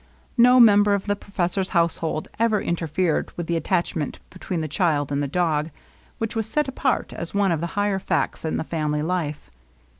No member of the professor's household ever interfered with the attachment between the child and the dog, which was set apart as one of the higher facts in the family life.